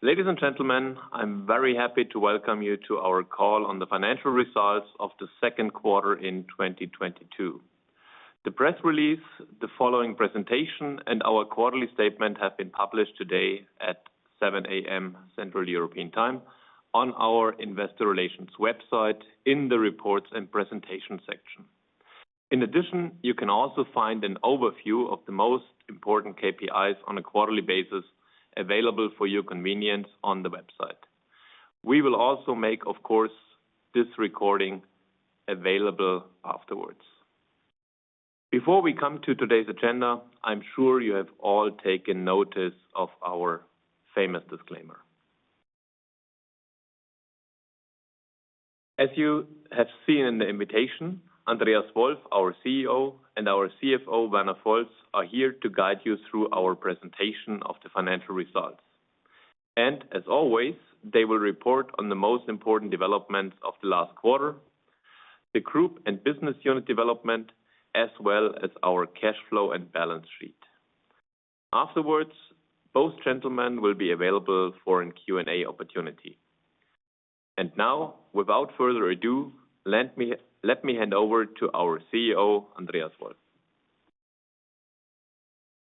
Ladies and gentlemen, I'm very happy to welcome you to our call on the financial results of the Q2 in 2022. The press release, the following presentation, and our quarterly statement have been published today at 7:00 A.M. Central European Time on our investor relations website in the reports and presentation section. In addition, you can also find an overview of the most important KPIs on a quarterly basis available for your convenience on the website. We will also make, of course, this recording available afterwards. Before we come to today's agenda, I'm sure you have all taken notice of our famous disclaimer. As you have seen in the invitation, Andreas Wolf, our Chief Executive Officer, and our Chief Financial Officer, Werner Volz, are here to guide you through our presentation of the financial results. As always, they will report on the most important developments of the last quarter, the group and business unit development, as well as our cash flow and balance sheet. Afterwards, both gentlemen will be available for a Q&A opportunity. Now, without further ado, let me hand over to our Chief Executive Officer, Andreas Wolf.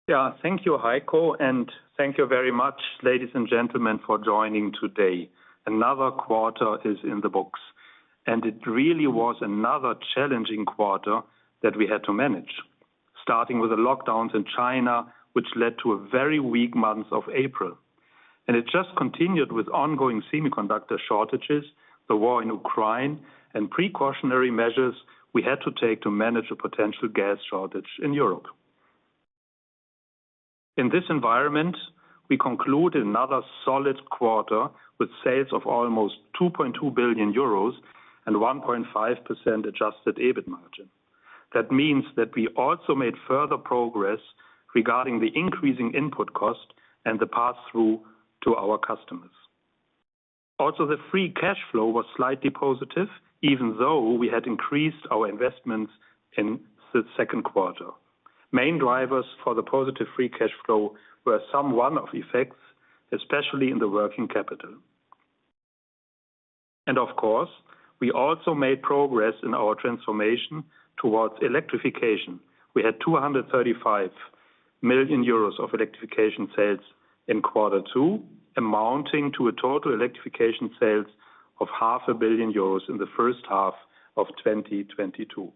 Yeah. Thank you, Heiko, and thank you very much, ladies and gentlemen, for joining today. Another quarter is in the books, and it really was another challenging quarter that we had to manage, starting with the lockdowns in China, which led to a very weak month of April. It just continued with ongoing semiconductor shortages, the war in Ukraine, and precautionary measures we had to take to manage a potential gas shortage in Europe. In this environment, we conclude another solid quarter with sales of almost 2.2 billion euros and 1.5% adjusted EBIT margin. That means that we also made further progress regarding the increasing input cost and the pass-through to our customers. Also, the free cash flow was slightly positive, even though we had increased our investments in the Q2. Main drivers for the positive free cash flow were some one-off effects, especially in the working capital. Of course, we also made progress in our transformation towards electrification. We had 235 million euros of electrification sales in quarter two, amounting to a total electrification sales of half a billion EUR in the first half of 2022.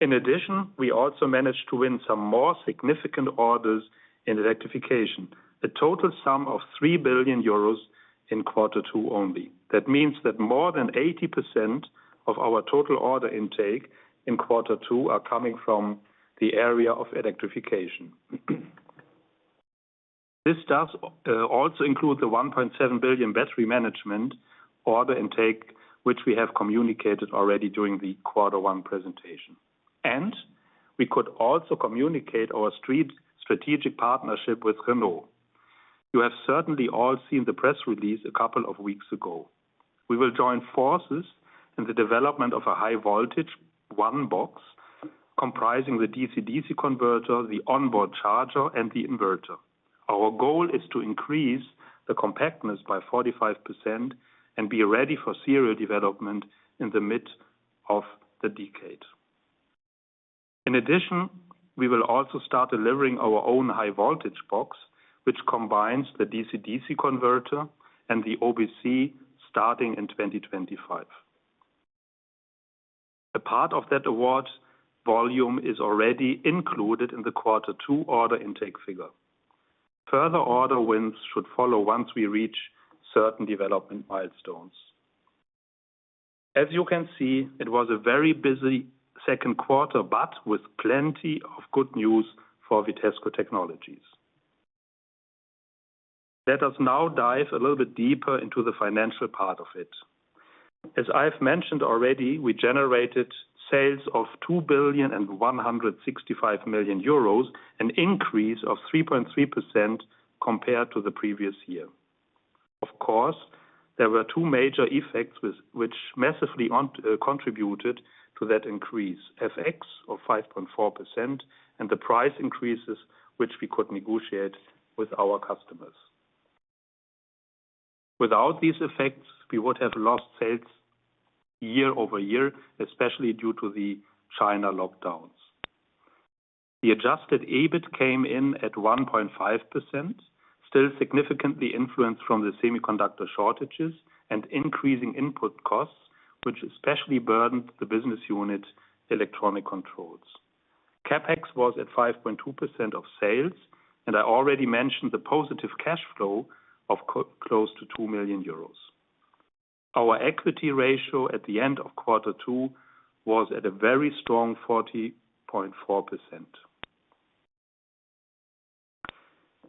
In addition, we also managed to win some more significant orders in electrification, a total sum of 3 billion euros in quarter two only. That means that more than 80% of our total order intake in quarter two are coming from the area of electrification. This does also include the 1.7 billion battery management order intake, which we have communicated already during the quarter one presentation. We could also communicate our strategic partnership with Renault. You have certainly all seen the press release a couple of weeks ago. We will join forces in the development of a high-voltage One Box comprising the DC-DC converter, the onboard charger, and the inverter. Our goal is to increase the compactness by 45% and be ready for serial development in the mid of the decade. In addition, we will also start delivering our own High Voltage Box, which combines the DC-DC converter and the OBC starting in 2025. A part of that award volume is already included in the quarter two order intake figure. Further order wins should follow once we reach certain development milestones. As you can see, it was a very busy Q2, but with plenty of good news for Vitesco Technologies. Let us now dive a little bit deeper into the financial part of it. As I've mentioned already, we generated sales of 2.165 billion, an increase of 3.3% compared to the previous year. Of course, there were two major effects which massively contributed to that increase, FX of 5.4% and the price increases, which we could negotiate with our customers. Without these effects, we would have lost sales year over year, especially due to the China lockdowns. The adjusted EBIT came in at 1.5%, still significantly influenced from the semiconductor shortages and increasing input costs, which especially burdened the business unit Electronic Controls. CapEx was at 5.2% of sales, and I already mentioned the positive cash flow of close to 2 million euros. Our equity ratio at the end of quarter two was at a very strong 40.4%.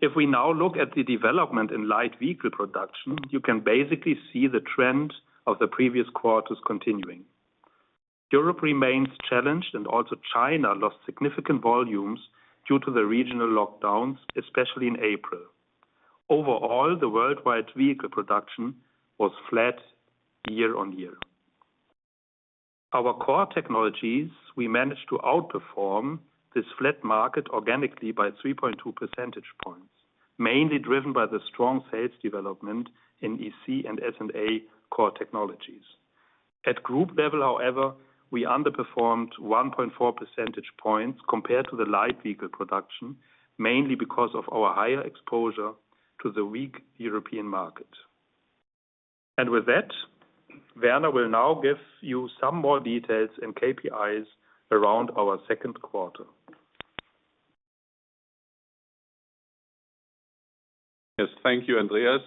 If we now look at the development in light vehicle production, you can basically see the trend of the previous quarters continuing. Europe remains challenged and also China lost significant volumes due to the regional lockdowns, especially in April. Overall, the worldwide vehicle production was flat year-over-year. Our core technologies, we managed to outperform this flat market organically by 3.2 percentage points, mainly driven by the strong sales development in EC and S&A core technologies. At group level, however, we underperformed 1.4 percentage points compared to the light vehicle production, mainly because of our higher exposure to the weak European market. With that, Werner will now give you some more details and KPIs around our Q2. Yes. Thank you, Andreas.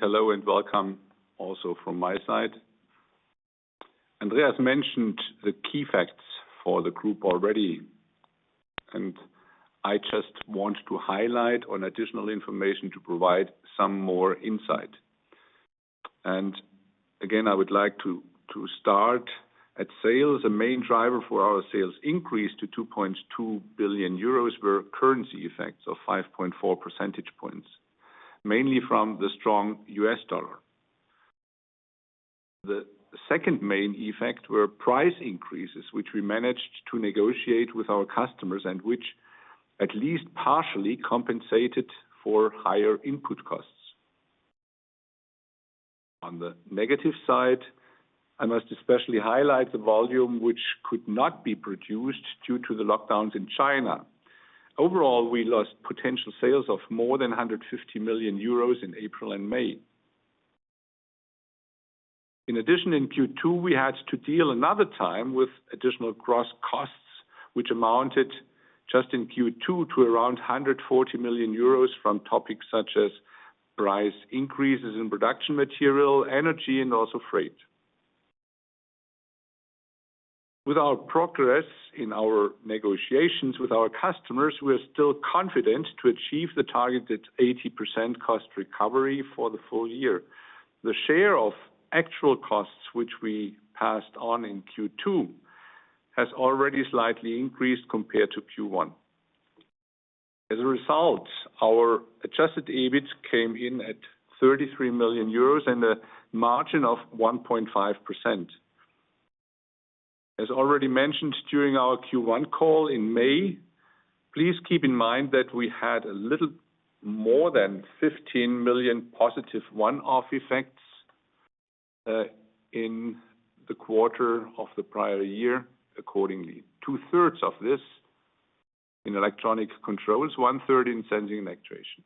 Hello and welcome also from my side. Andreas mentioned the key facts for the group already, and I just want to highlight one additional information to provide some more insight. I would like to start at sales. The main driver for our sales increase to 2.2 billion euros were currency effects of 5.4 percentage points, mainly from the strong US dollar. The second main effect were price increases, which we managed to negotiate with our customers and which at least partially compensated for higher input costs. On the negative side, I must especially highlight the volume which could not be produced due to the lockdowns in China. Overall, we lost potential sales of more than 150 million euros in April and May. In addition, in Q2, we had to deal another time with additional cross costs, which amounted just in Q2 to around 140 million euros from topics such as price increases in production material, energy, and also freight. With our progress in our negotiations with our customers, we are still confident to achieve the targeted 80% cost recovery for the full year. The share of actual costs which we passed on in Q2 has already slightly increased compared to Q1. As a result, our adjusted EBIT came in at 33 million euros and a margin of 1.5%. As already mentioned during our Q1 call in May, please keep in mind that we had a little more than 15 million positive one-off effects in the quarter of the prior year accordingly. Two-thirds of this in Electronic Controls, one-third in Sensing & Actuation.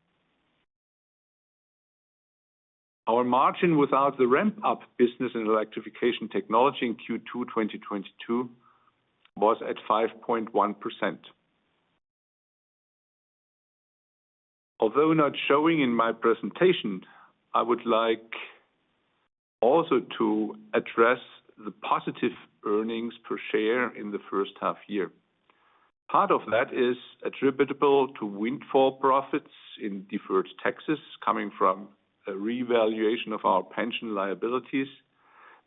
Our margin without the ramp-up business in Electrification Technology in Q2 2022 was at 5.1%. Although not showing in my presentation, I would like also to address the positive earnings per share in the first half year. Part of that is attributable to windfall profits in deferred taxes coming from a revaluation of our pension liabilities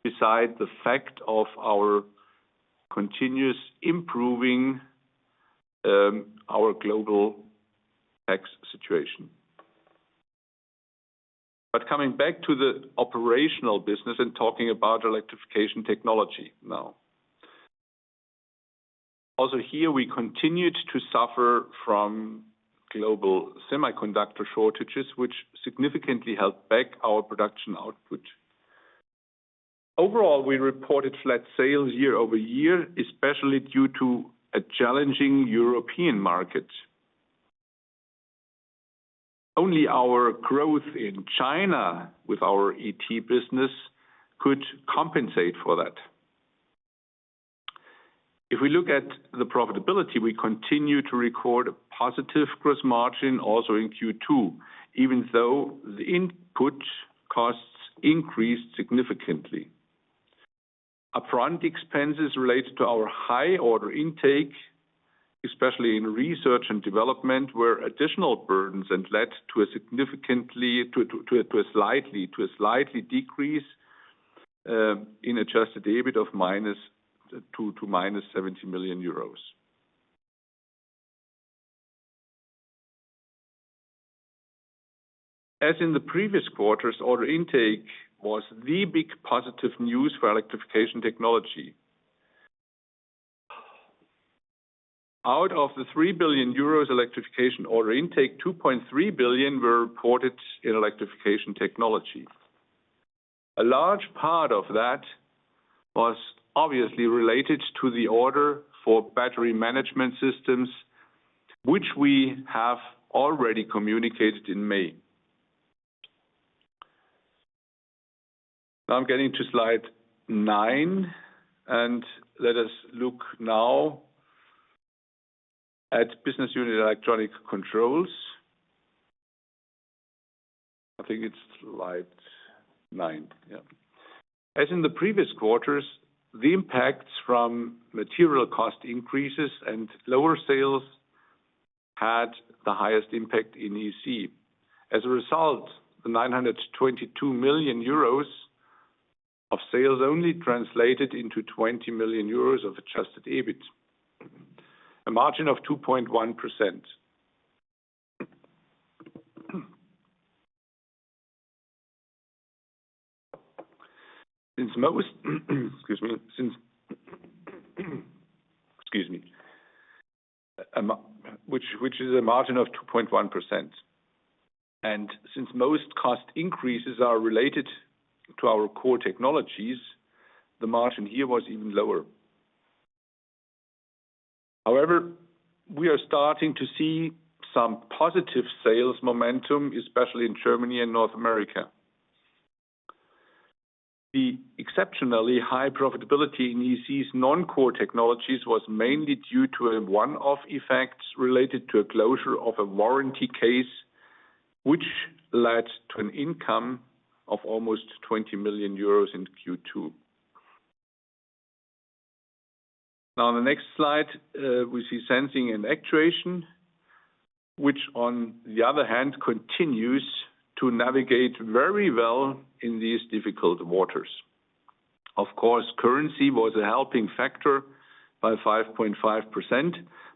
besides the fact of our continuously improving our global tax situation. Coming back to the operational business and talking about Electrification Technology now. Also here, we continued to suffer from global semiconductor shortages, which significantly held back our production output. Overall, we reported flat sales year-over-year, especially due to a challenging European market. Only our growth in China with our ET business could compensate for that. If we look at the profitability, we continue to record a positive gross margin also in Q2, even though the input costs increased significantly. Upfront expenses related to our high order intake, especially in research and development, were additional burdens and led to a slight decrease in adjusted EBIT of -70 million euros. As in the previous quarters, order intake was the big positive news for Electrification Technology. Out of the 3 billion euros electrification order intake, 2.3 billion were reported in Electrification Technology. A large part of that was obviously related to the order for battery management systems, which we have already communicated in May. Now I'm getting to slide nine, and let us look now at business unit Electronic Controls. I think it's slide nine. As in the previous quarters, the impacts from material cost increases and lower sales had the highest impact in EC. As a result, the 922 million euros of sales only translated into 20 million euros of adjusted EBIT, a margin of 2.1%. Which is a margin of 2.1%. Since most cost increases are related to our core technologies, the margin here was even lower. However, we are starting to see some positive sales momentum, especially in Germany and North America. The exceptionally high profitability in EC's non-core technologies was mainly due to a one-off effect related to a closure of a warranty case, which led to an income of almost 20 million euros in Q2. Now on the next slide, we see Sensing & Actuation, which on the other hand, continues to navigate very well in these difficult waters. Of course, currency was a helping factor by 5.5%,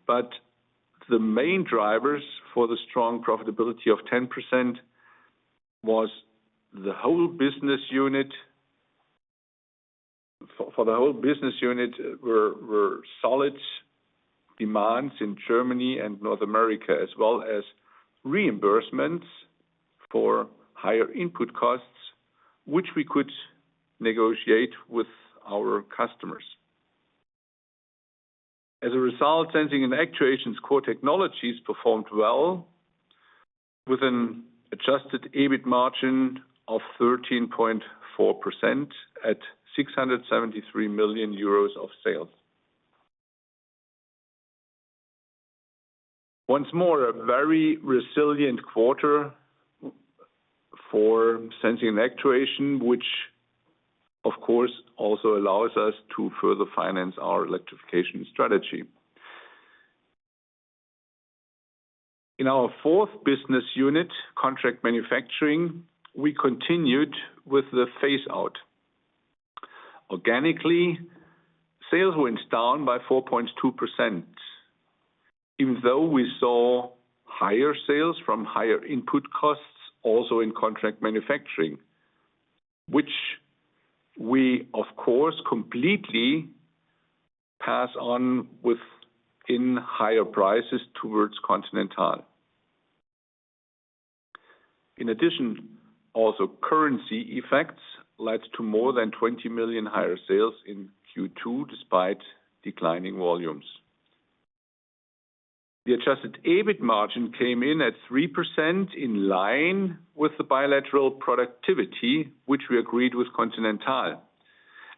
but the main drivers for the strong profitability of 10% was the whole business unit. For the whole business unit were solid demands in Germany and North America, as well as reimbursements for higher input costs, which we could negotiate with our customers. As a result, Sensing & Actuation's core technologies performed well with an adjusted EBIT margin of 13.4% at EUR 673 million of sales. Once more, a very resilient quarter for Sensing & Actuation, which of course also allows us to further finance our electrification strategy. In our fourth business unit, Contract Manufacturing, we continued with the phase out. Organically, sales went down by 4.2%, even though we saw higher sales from higher input costs also in Contract Manufacturing, which we of course completely pass on within higher prices towards Continental. In addition, also currency effects led to more than 20 million higher sales in Q2, despite declining volumes. The adjusted EBIT margin came in at 3% in line with the bilateral productivity, which we agreed with Continental.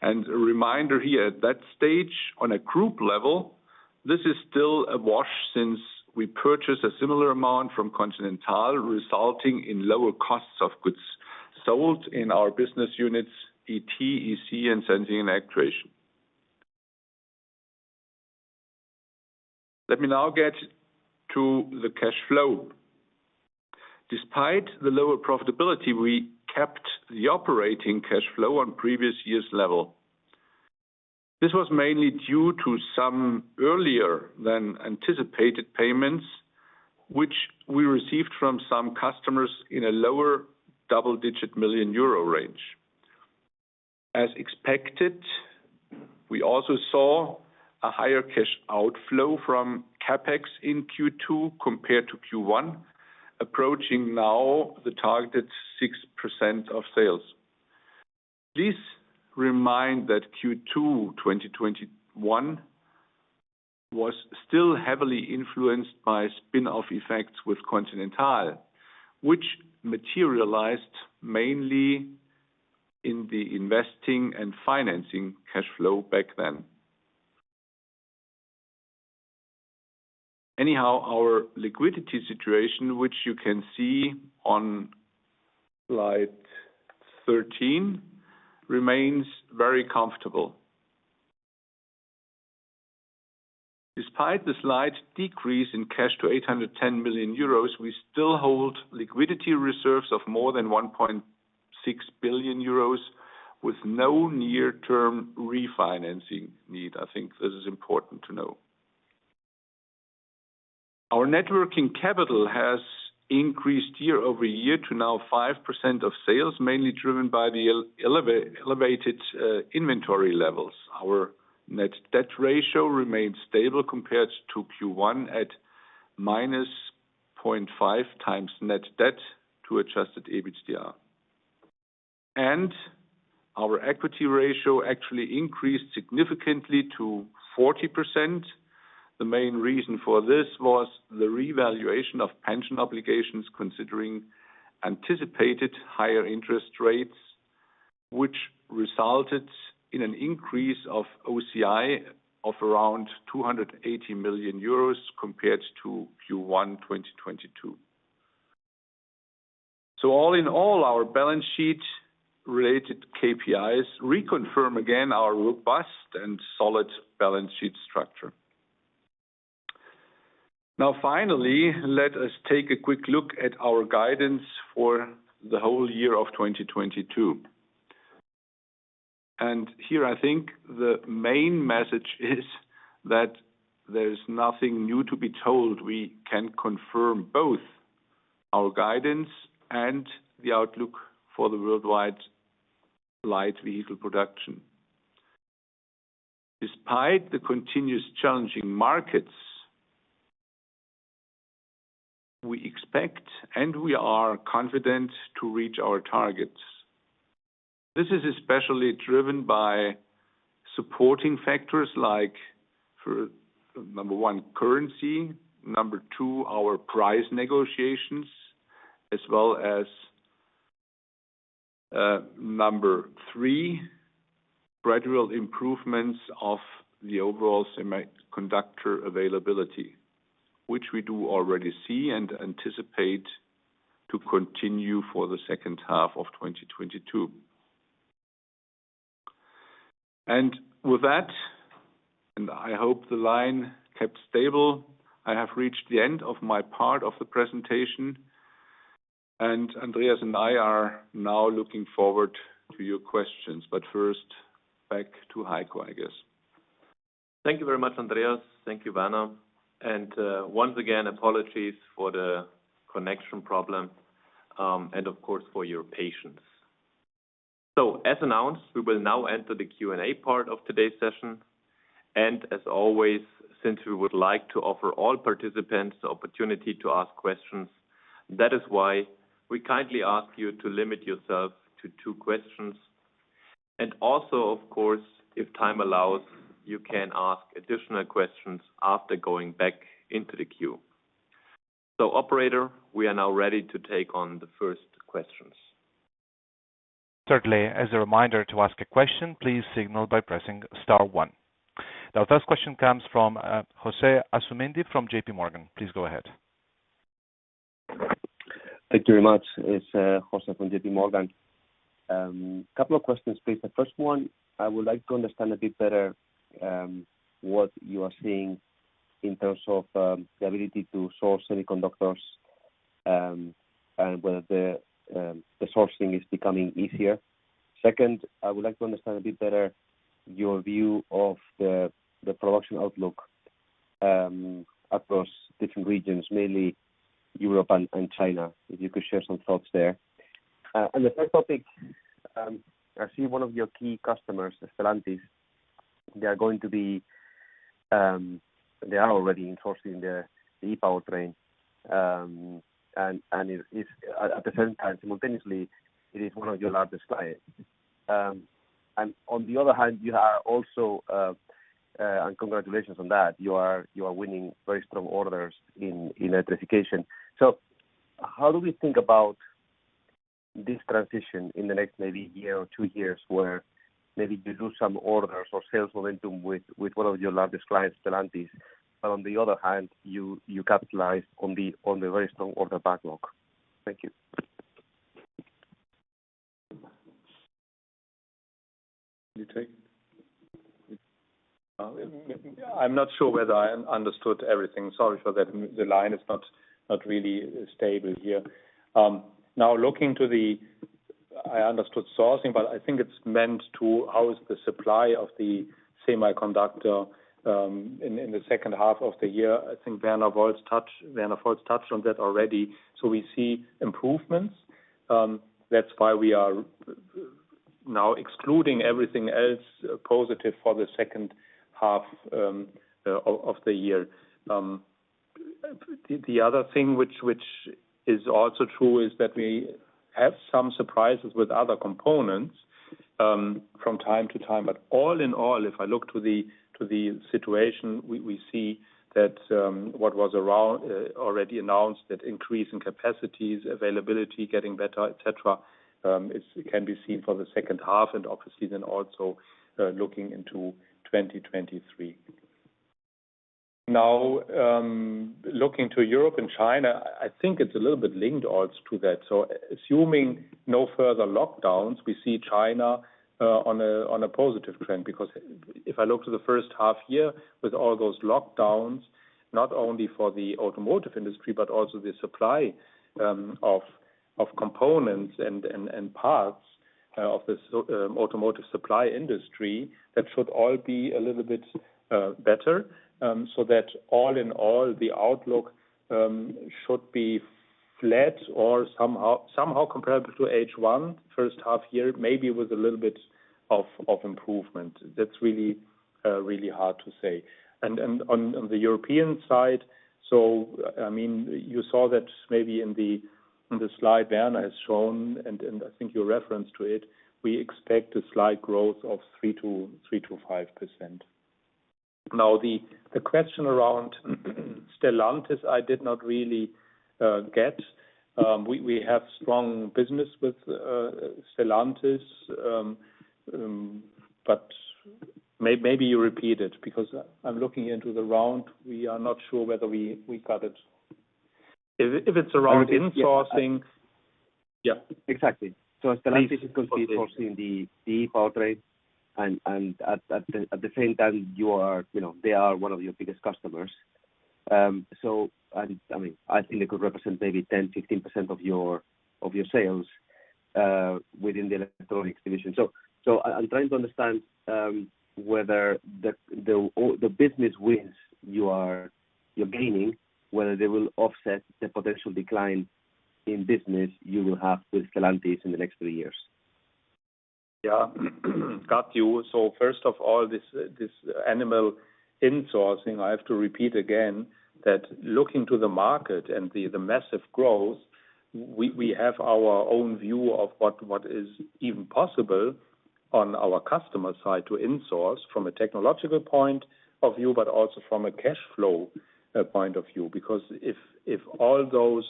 A reminder here, at that stage on a group level, this is still a wash since we purchased a similar amount from Continental, resulting in lower costs of goods sold in our business units ET, EC, and Sensing and Actuation. Let me now get to the cash flow. Despite the lower profitability, we kept the operating cash flow on previous year's level. This was mainly due to some earlier than anticipated payments, which we received from some customers in a lower double-digit million euro range. As expected, we also saw a higher cash outflow from CapEx in Q2 compared to Q1, approaching now the targeted 6% of sales. Please remind that Q2 2021 was still heavily influenced by spin-off effects with Continental, which materialized mainly in the investing and financing cash flow back then. Anyhow, our liquidity situation, which you can see on slide 13, remains very comfortable. Despite the slight decrease in cash to 810 million euros, we still hold liquidity reserves of more than 1.6 billion euros with no near-term refinancing need. I think this is important to know. Our net working capital has increased year-over-year to now 5% of sales, mainly driven by the elevated inventory levels. Our net debt ratio remains stable compared to Q1 at -0.5x net debt to adjusted EBITDA. Our equity ratio actually increased significantly to 40%. The main reason for this was the revaluation of pension obligations, considering anticipated higher interest rates, which resulted in an increase of OCI of around 280 million euros compared to Q1, 2022. All in all, our balance sheet related KPIs reconfirm again our robust and solid balance sheet structure. Now finally, let us take a quick look at our guidance for the whole year of 2022. Here, I think the main message is that there is nothing new to be told. We can confirm both our guidance and the outlook for the worldwide light vehicle production. Despite the continuous challenging markets, we expect and we are confident to reach our targets. This is especially driven by supporting factors like for, number one, currency, number two, our price negotiations, as well as, number three, gradual improvements of the overall semiconductor availability, which we do already see and anticipate to continue for the second half of 2022. With that, and I hope the line kept stable, I have reached the end of my part of the presentation, and Andreas and I are now looking forward to your questions. First, back to Heiko, I guess. Thank you very much, Andreas. Thank you, Werner. Once again, apologies for the connection problem, and of course, for your patience. As announced, we will now enter the Q&A part of today's session. As always, since we would like to offer all participants the opportunity to ask questions, that is why we kindly ask you to limit yourself to two questions. Also, of course, if time allows, you can ask additional questions after going back into the queue. Operator, we are now ready to take on the first questions. Certainly. As a reminder to ask a question, please signal by pressing star one. Now, first question comes from José Asumendi from JPMorgan. Please go ahead. Thank you very much. It's José Asumendi from JPMorgan. Couple of questions, please. The first one, I would like to understand a bit better, what you are seeing in terms of, the ability to source semiconductors, and whether the sourcing is becoming easier. Second, I would like to understand a bit better your view of the production outlook, across different regions, mainly Europe and China, if you could share some thoughts there. On the third topic, I see one of your key customers, Stellantis, they are going to be, they are already enforcing the e-powertrain, and it's, at the same time simultaneously, it is one of your largest clients. On the other hand, you are also, and congratulations on that, you are winning very strong orders in electrification. How do we think about this transition in the next maybe year or two years, where maybe you lose some orders or sales momentum with one of your largest clients, Stellantis, but on the other hand, you capitalize on the very strong order backlog? Thank you. You take? I'm not sure whether I understood everything. Sorry for that. The line is not really stable here. I understood sourcing, but I think it's meant to how is the supply of the semiconductor in the second half of the year. I think Werner Volz touched on that already. We see improvements. That's why we are now excluding everything else positive for the second half of the year. The other thing which is also true is that we have some surprises with other components from time to time. All in all, if I look to the situation, we see that what was around already announced, that increase in capacities, availability getting better, et cetera, can be seen for the second half and obviously then also looking into 2023. Now, looking to Europe and China, I think it's a little bit linked also to that. Assuming no further lockdowns, we see China on a positive trend. Because if I look to the first half year with all those lockdowns, not only for the automotive industry, but also the supply of components and parts of the automotive supply industry, that should all be a little bit better. That all in all, the outlook should be flat or somehow comparable to H1, first half year, maybe with a little bit of improvement. That's really hard to say. On the European side, I mean, you saw that maybe in the slide Werner has shown, I think you referenced to it, we expect a slight growth of 3%-5%. Now, the question around Stellantis, I did not really get. We have strong business with Stellantis, but maybe you repeat it because I'm looking around the room. We are not sure whether we got it. If it's around insourcing. Yeah. Exactly. Stellantis is completing the e-powertrain and at the same time, you know, they are one of your biggest customers. I mean, I think it could represent maybe 10%-15% of your sales within the electronics division. I'm trying to understand whether the business wins you're gaining will offset the potential decline in business you will have with Stellantis in the next three years. Yeah. Got you. First of all, this internal insourcing, I have to repeat again that looking to the market and the massive growth, we have our own view of what is even possible on our customer side to insource from a technological point of view, but also from a cash flow point of view. Because if all those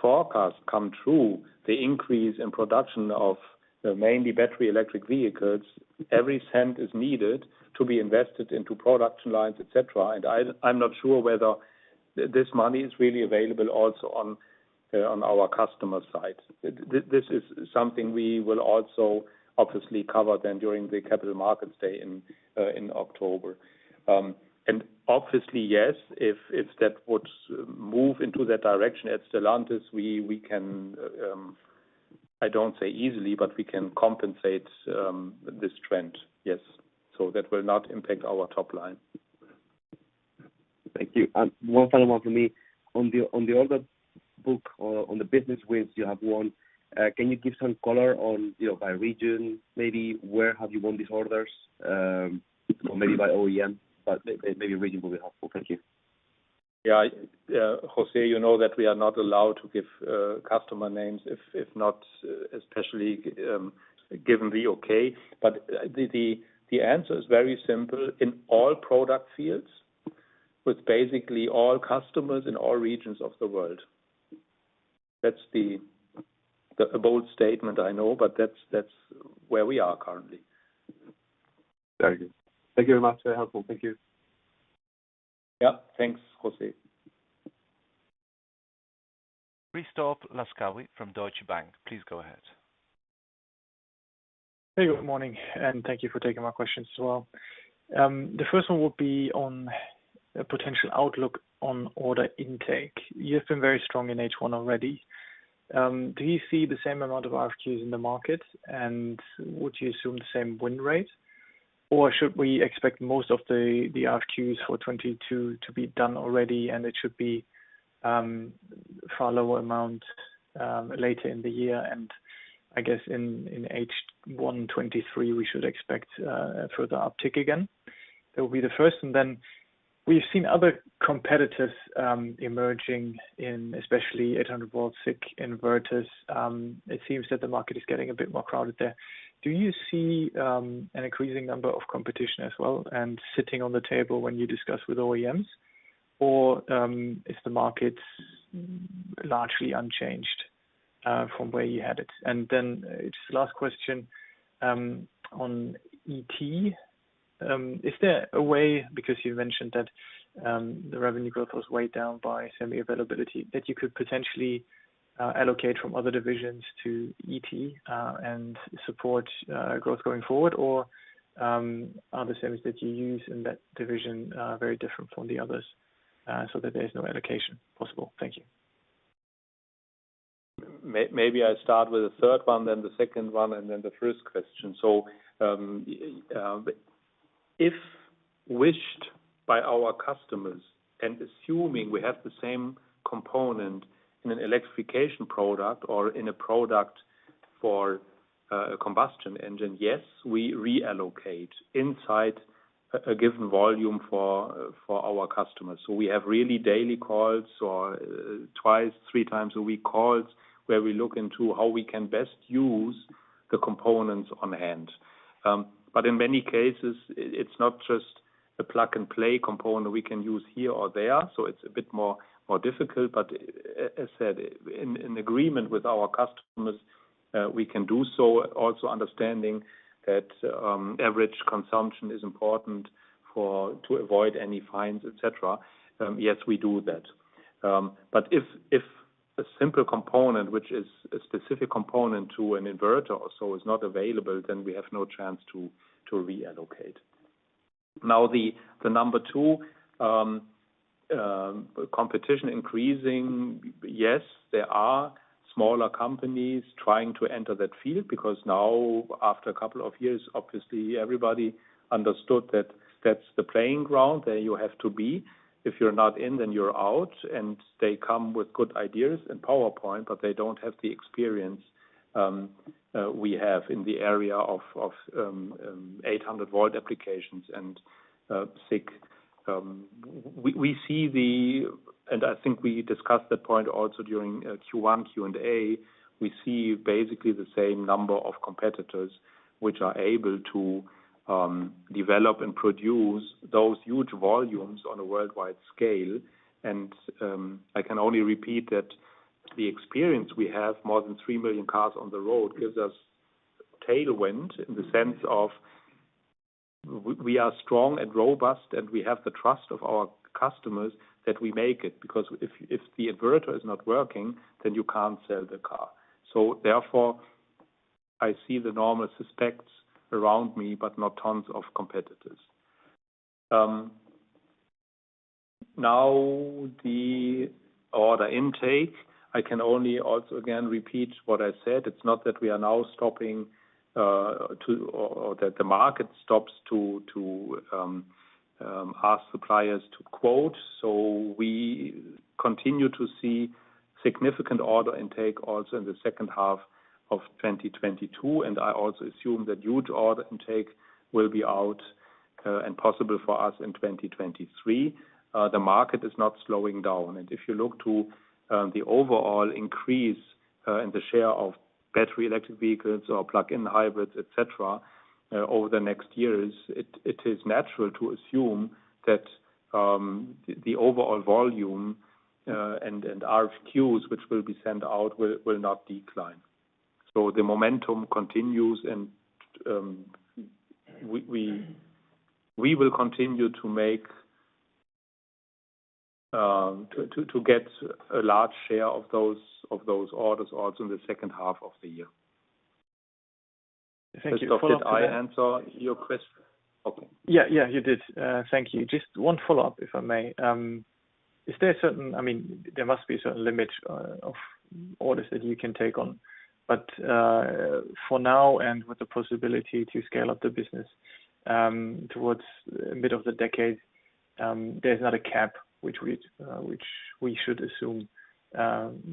forecasts come true, the increase in production of mainly battery electric vehicles, every cent is needed to be invested into production lines, et cetera. I'm not sure whether this money is really available also on our customer side. This is something we will also obviously cover then during the Capital Markets Day in October. Obviously yes, if that would move into that direction at Stellantis, we can, I don't say easily, but we can compensate this trend, yes. That will not impact our top line. Thank you. One final one from me. On the order book or on the business wins you have won, can you give some color on, you know, by region maybe, where have you won these orders? Or maybe by OEM, but maybe region will be helpful. Thank you. Yeah. José, you know that we are not allowed to give customer names if not, especially given the okay. The answer is very simple. In all product fields, with basically all customers in all regions of the world. That's a bold statement, I know. That's where we are currently. Very good. Thank you very much. Very helpful. Thank you. Yeah. Thanks, José. Christoph Laskawi from Deutsche Bank, please go ahead. Hey, good morning, and thank you for taking my questions as well. The first one would be on a potential outlook on order intake. You have been very strong in H1 already. Do you see the same amount of RFQs in the market? Would you assume the same win rate? Or should we expect most of the RFQs for 2022 to be done already, and it should be far lower amount later in the year? I guess in H1 2023, we should expect further uptick again. That will be the first. Then we've seen other competitors emerging in especially 800 V SiC inverters. It seems that the market is getting a bit more crowded there. Do you see an increasing number of competition as well and sitting on the table when you discuss with OEMs? Or is the markets largely unchanged from where you had it? Just the last question on ET. Is there a way, because you mentioned that the revenue growth was weighed down by semis availability, that you could potentially allocate from other divisions to ET and support growth going forward? Or are the semis that you use in that division very different from the others so that there is no allocation possible? Thank you. Maybe I start with the third one, then the second one, and then the first question. If wished by our customers and assuming we have the same component in an electrification product or in a product for a combustion engine, yes, we reallocate inside a given volume for our customers. We have really daily calls or twice, three times a week calls where we look into how we can best use the components on hand. In many cases, it's not just a plug and play component we can use here or there, so it's a bit more difficult. As said, in agreement with our customers, we can do so, also understanding that average consumption is important to avoid any fines, et cetera. Yes, we do that. If a simple component, which is a specific component to an inverter or so is not available, then we have no chance to reallocate. Now, the number two, competition increasing. Yes, there are smaller companies trying to enter that field, because now after a couple of years, obviously everybody understood that that's the playing ground that you have to be. If you're not in, then you're out. They come with good ideas and PowerPoint, but they don't have the experience we have in the area of 800 V applications and SiC. I think we discussed that point also during Q1 Q&A. We see basically the same number of competitors, which are able to develop and produce those huge volumes on a worldwide scale. I can only repeat that the experience we have, more than 3 million cars on the road, gives us tailwind in the sense of we are strong and robust, and we have the trust of our customers that we make it. Because if the inverter is not working, then you can't sell the car. I see the normal suspects around me, but not tons of competitors. Now the order intake, I can only also again repeat what I said. It's not that we are now stopping or that the market stops to ask suppliers to quote. We continue to see significant order intake also in the second half of 2022, and I also assume that huge order intake will be out and possible for us in 2023. The market is not slowing down. If you look to the overall increase in the share of battery electric vehicles or plug-in hybrids, et cetera, over the next years, it is natural to assume that the overall volume and RFQs which will be sent out will not decline. The momentum continues and we will continue to get a large share of those orders also in the second half of the year. Thank you. Did I answer your question? Okay. Yeah, you did. Thank you. Just one follow-up, if I may. There must be a certain limit of orders that you can take on. For now and with the possibility to scale up the business, towards the end of the decade, there's not a cap which we should assume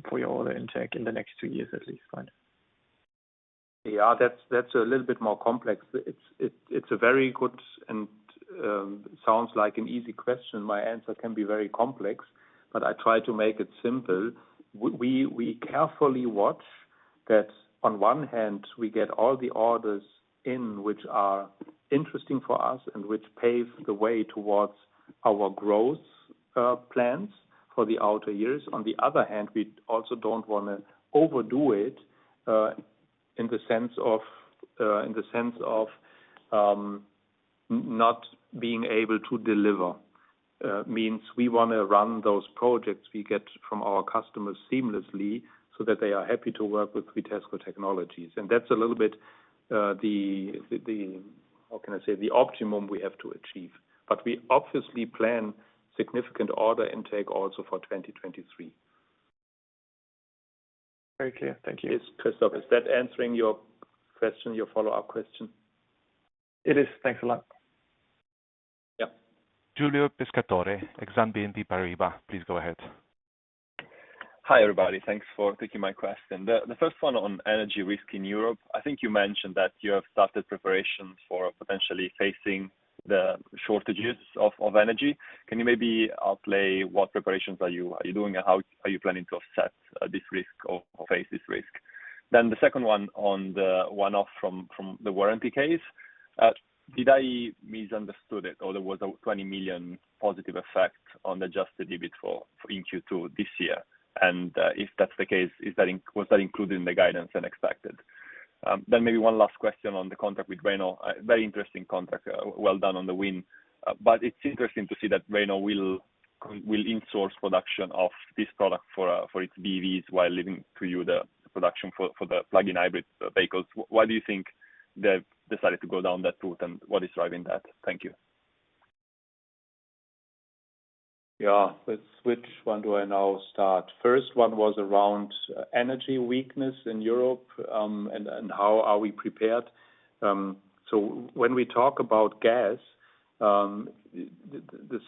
for your order intake in the next two years, at least. Right? Yeah. That's a little bit more complex. It's a very good and sounds like an easy question. My answer can be very complex, but I try to make it simple. We carefully watch that on one hand, we get all the orders in which are interesting for us and which pave the way towards our growth plans for the outer years. On the other hand, we also don't wanna overdo it in the sense of not being able to deliver. Means we wanna run those projects we get from our customers seamlessly, so that they are happy to work with Vitesco Technologies. That's a little bit the how can I say? The optimum we have to achieve. We obviously plan significant order intake also for 2023. Very clear. Thank you. Yes, Christoph, is that answering your question, your follow-up question? It is. Thanks a lot. Yeah. Giulio Pescatore, Exane BNP Paribas. Please go ahead. Hi, everybody. Thanks for taking my question. The first one on energy risk in Europe. I think you mentioned that you have started preparations for potentially facing the shortages of energy. Can you maybe outline what preparations are you doing and how are you planning to offset this risk or face this risk? The second one on the one-off from the warranty case. Did I misunderstand it, or there was a 20 million positive effect on adjusted EBIT in Q2 this year? And, if that's the case, was that included in the guidance and expected? One last question on the contract with Renault. Very interesting contract. Well done on the win. It's interesting to see that Renault will in-source production of this product for its BEVs while leaving to you the production for the plug-in hybrid vehicles. Why do you think they've decided to go down that route, and what is driving that? Thank you. Yeah. Let's switch. Where do I now start? First one was around energy weakness in Europe, and how are we prepared. When we talk about gas, the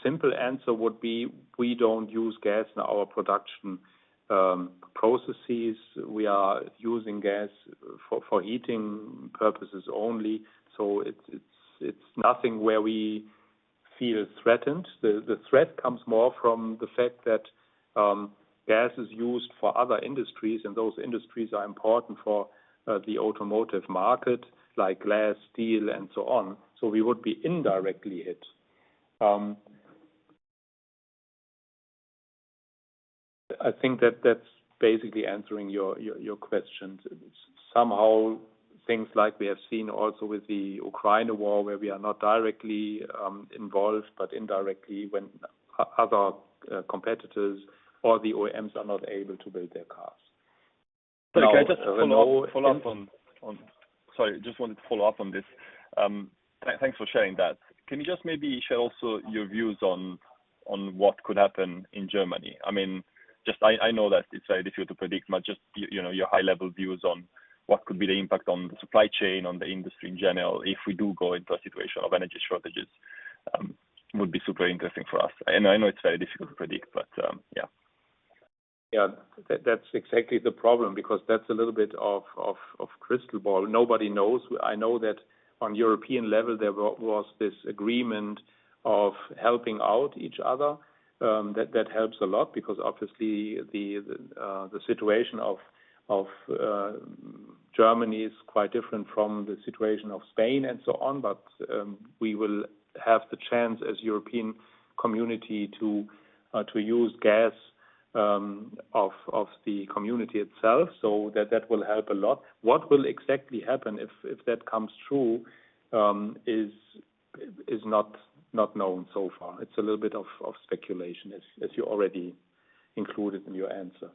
simple answer would be, we don't use gas in our production processes. We are using gas for heating purposes only. It's nothing where we feel threatened. The threat comes more from the fact that gas is used for other industries, and those industries are important for the automotive market, like glass, steel, and so on. We would be indirectly hit. I think that that's basically answering your questions. Somehow things like we have seen also with the Ukraine war, where we are not directly involved, but indirectly when other competitors or the OEMs are not able to build their cars. Now. Sorry, can I just follow up on this. Thanks for sharing that. Can you just maybe share also your views on what could happen in Germany? I mean, just I know that it's very difficult to predict, but just, you know, your high-level views on what could be the impact on the supply chain, on the industry in general, if we do go into a situation of energy shortages, would be super interesting for us. I know it's very difficult to predict, but yeah. That's exactly the problem, because that's a little bit of crystal ball. Nobody knows. I know that on European level, there was this agreement of helping out each other. That helps a lot because obviously the situation of Germany is quite different from the situation of Spain and so on. We will have the chance as European community to use gas of the community itself, so that will help a lot. What will exactly happen if that comes true is not known so far. It's a little bit of speculation as you already included in your answer.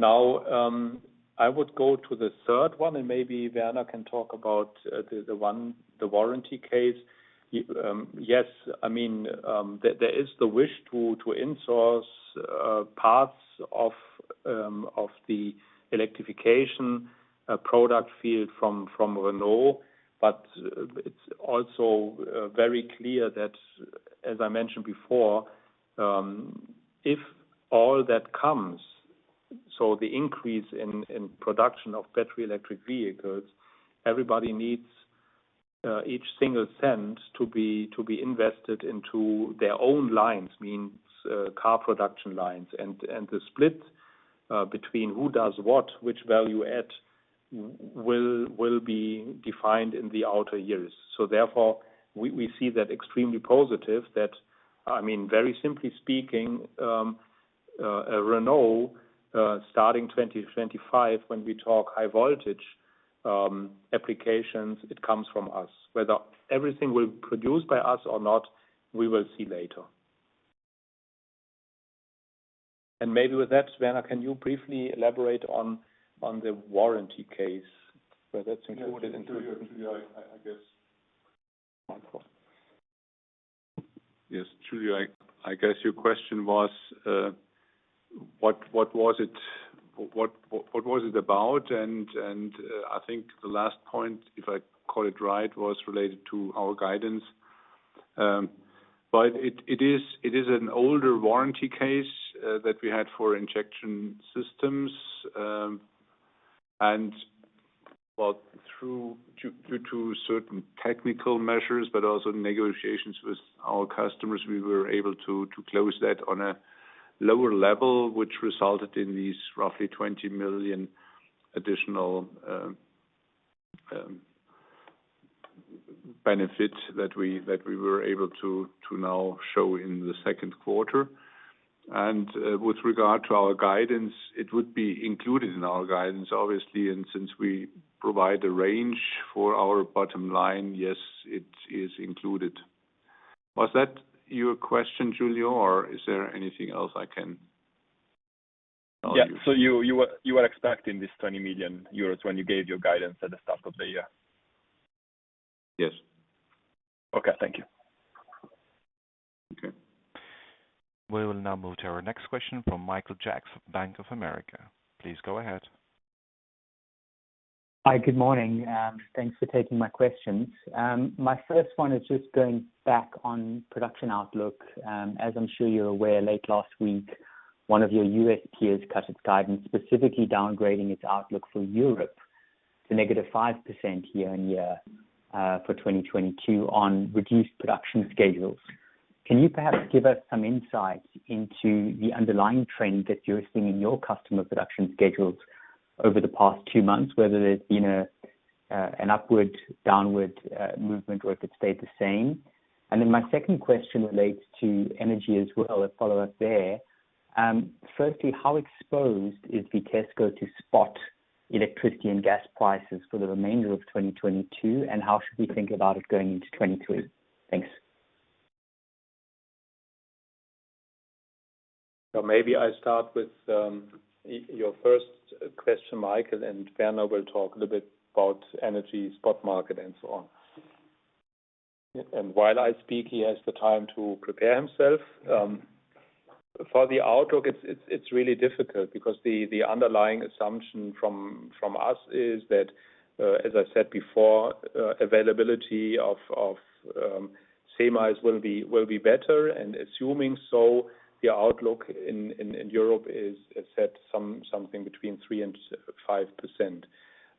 Now I would go to the third one, and maybe Werner can talk about the warranty case. Yes, I mean, there is the wish to insource parts of the electrification product field from Renault. It's also very clear that, as I mentioned before, if all that comes, the increase in production of battery electric vehicles, everybody needs each single cent to be invested into their own lines. Means, car production lines. The split between who does what, which value add will be defined in the outer years. We see that extremely positive that, I mean, very simply speaking, Renault starting 2025, when we talk high voltage applications, it comes from us. Whether everything will be produced by us or not, we will see later. Maybe with that, Werner, can you briefly elaborate on the warranty case, whether it's included in- Yes. Giulio, I guess your question was, what was it about? I think the last point, if I caught it right, was related to our guidance. But it is an older warranty case that we had for injection systems. Well, due to certain technical measures, but also negotiations with our customers, we were able to close that on a lower level, which resulted in these roughly 20 million additional benefits that we were able to now show in the Q2. With regard to our guidance, it would be included in our guidance, obviously. Since we provide a range for our bottom line, yes, it is included. Was that your question, Giulio, or is there anything else I can- Yeah. You were expecting this 20 million euros when you gave your guidance at the start of the year? Yes. Okay, thank you. Okay. We will now move to our next question from Michael Jacks of Bank of America. Please go ahead. Hi. Good morning, thanks for taking my questions. My first one is just going back on production outlook. As I'm sure you're aware, late last week, one of your U.S. peers cut its guidance, specifically downgrading its outlook for Europe to -5% year-on-year for 2022 on reduced production schedules. Can you perhaps give us some insight into the underlying trend that you're seeing in your customer production schedules over the past two months, whether there's been an upward, downward movement or if it's stayed the same? My second question relates to energy as well, a follow-up there. Firstly, how exposed is Vitesco to spot electricity and gas prices for the remainder of 2022, and how should we think about it going into 2023? Thanks. Maybe I start with your first question, Michael, and Werner will talk a little bit about energy spot market and so on. While I speak, he has the time to prepare himself. For the outlook, it's really difficult because the underlying assumption from us is that, as I said before, availability of semis will be better. Assuming so, the outlook in Europe is set something between 3%-5%.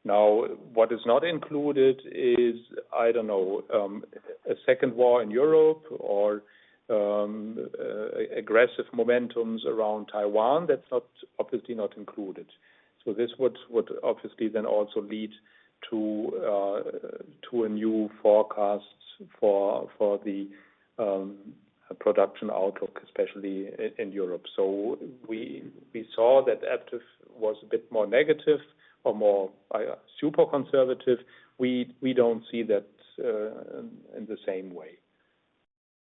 Now, what is not included is, I don't know, a second war in Europe or aggressive movements around Taiwan. That's obviously not included. This would obviously then also lead to a new forecast for the production outlook, especially in Europe. We saw that Aptiv was a bit more negative or more super conservative. We don't see that in the same way.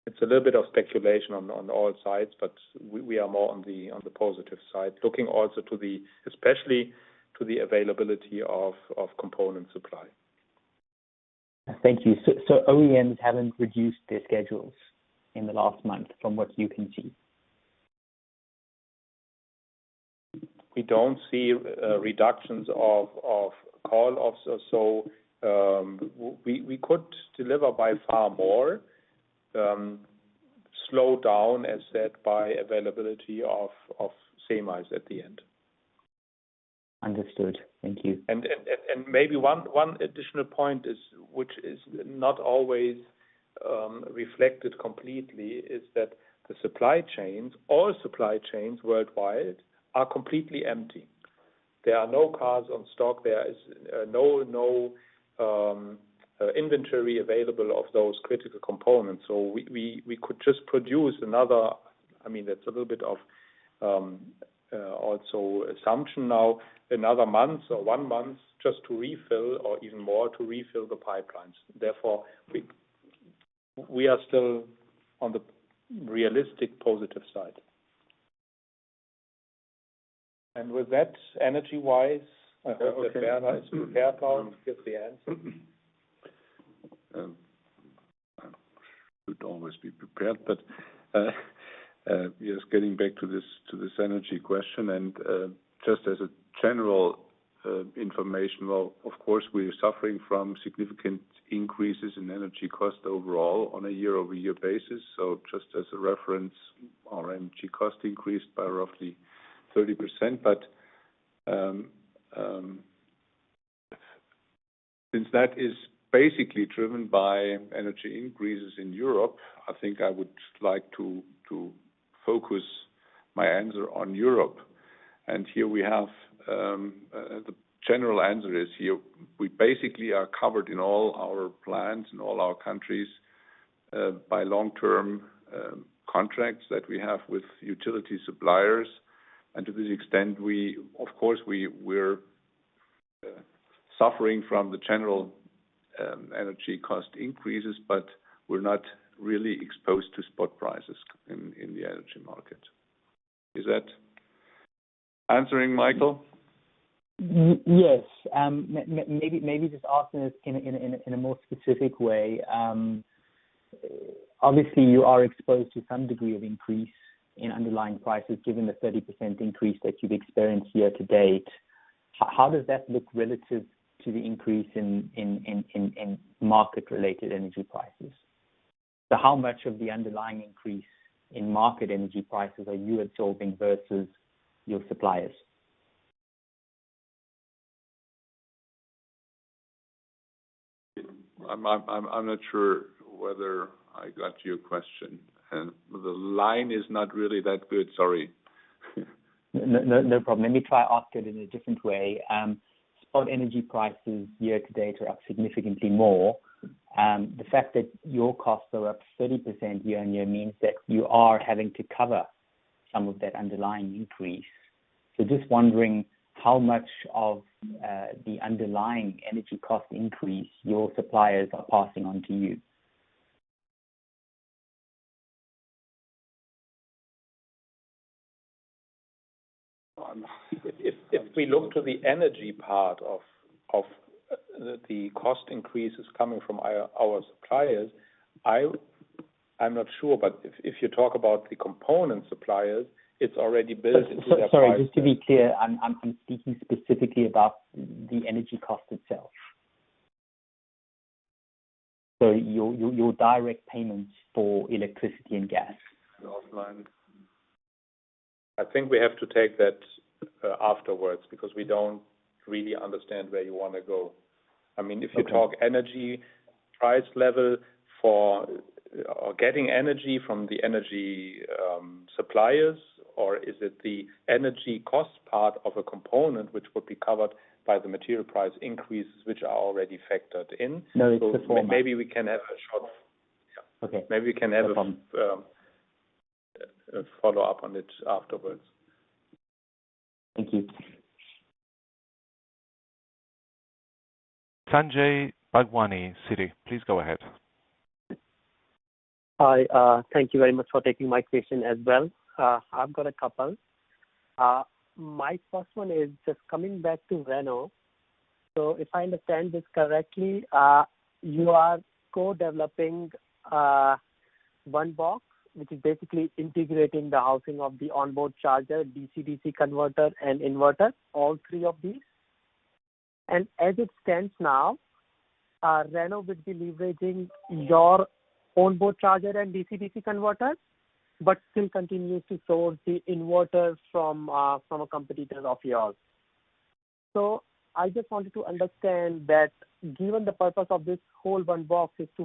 It's a little bit of speculation on all sides, but we are more on the positive side, looking also to the, especially to the availability of component supply. Thank you. OEMs haven't reduced their schedules in the last month from what you can see? We don't see reductions of call offs. We could deliver by far more, slow down, as said, by availability of semis at the end. Understood. Thank you. One additional point is, which is not always reflected completely, that the supply chains, all supply chains worldwide are completely empty. There are no cars in stock. There is no inventory available of those critical components. I mean, that's a little bit of an assumption now, another month or one month just to refill or even more to refill the pipelines. Therefore, we are still on the realistic positive side. With that, energy-wise, I hope that Werner is prepared now to give the answer. Should always be prepared, yes, getting back to this energy question and just as a general information, well, of course, we're suffering from significant increases in energy cost overall on a year-over-year basis. Just as a reference, our energy cost increased by roughly 30%. Since that is basically driven by energy increases in Europe, I think I would like to focus my answer on Europe. Here we have, the general answer is here, we basically are covered in all our plants, in all our countries by long-term contracts that we have with utility suppliers. To this extent, we, of course, we're suffering from the general energy cost increases, but we're not really exposed to spot prices in the energy market. Is that answering, Michael? Yes. Maybe just asking this in a more specific way. Obviously you are exposed to some degree of increase in underlying prices given the 30% increase that you've experienced year to date. How does that look relative to the increase in market-related energy prices? How much of the underlying increase in market energy prices are you absorbing versus your suppliers? I'm not sure whether I got your question. The line is not really that good, sorry. No problem. Let me try ask it in a different way. Spot energy prices year to date are up significantly more. The fact that your costs are up 30% year-on-year means that you are having to cover some of that underlying increase. Just wondering how much of the underlying energy cost increase your suppliers are passing on to you. If we look to the energy part of the cost increases coming from our suppliers, I'm not sure. If you talk about the component suppliers, it's already built into their price. Sorry, just to be clear, I'm speaking specifically about the energy cost itself. Your direct payments for electricity and gas. I think we have to take that, afterwards because we don't really understand where you wanna go. I mean, if you talk energy price level for, or getting energy from the energy, suppliers, or is it the energy cost part of a component which would be covered by the material price increases, which are already factored in. No, it's the former. Maybe we can have a short. Yeah. Okay. No problem. Maybe we can have a follow-up on it afterwards. Thank you. Sanjay Bhagwani, Citi, please go ahead. Hi. Thank you very much for taking my question as well. I've got a couple. My first one is just coming back to Renault. If I understand this correctly, you are co-developing One Box, which is basically integrating the housing of the onboard charger, DC-DC converter and inverter, all three of these. As it stands now, Renault will be leveraging your onboard charger and DC-DC converter, but still continues to source the inverters from a competitor of yours. I just wanted to understand that given the purpose of this whole One Box is to